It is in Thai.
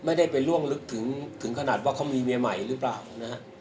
ไม่ได้ไปล่วงลึกถึงขนาดว่าเขามีเมียใหม่หรือเปล่านะฮะ